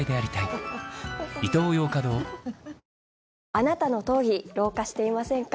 あなたの頭皮老化していませんか？